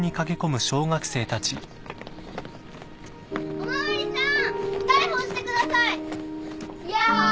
お巡りさん逮捕してください！ヤッホー！